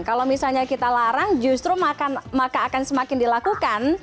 kalau misalnya kita larang justru maka akan semakin dilakukan